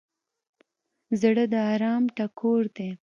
زړه د ارام ټکور دی.